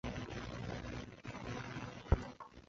分发为知县。